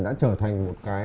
đã trở thành một cái